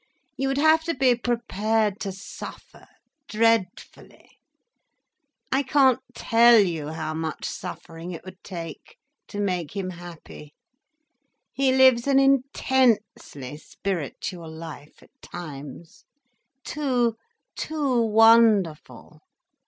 You would have to be prepared to suffer—dreadfully. I can't tell you how much suffering it would take to make him happy. He lives an intensely spiritual life, at times—too, too wonderful.